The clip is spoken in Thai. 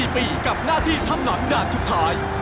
๔ปีกับหน้าที่ทำหลังด่านสุดท้าย